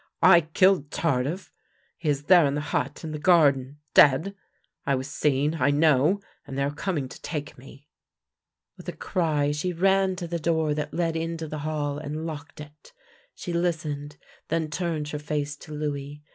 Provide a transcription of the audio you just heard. " I killed Tardif. He is there in the hut in the gar den — dead! I was seen, I know, and they are coming to take me." With a cry she ran to the door that led into the hall and locked it. She listened, then turned her face to Louis.